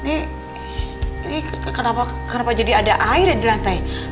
ini kenapa jadi ada airnya di lantai